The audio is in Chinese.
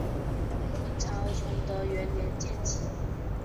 清朝崇德元年建旗。